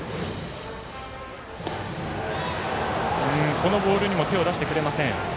このボールにも手を出してくれません。